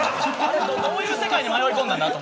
どういう世界に迷い込んだんだと。